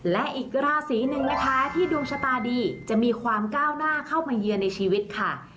และอีกราศีหนึ่งนะคะที่ดวงชะตาดีจะมีความก้าวหน้าเข้ามาเยือนในชีวิตค่ะ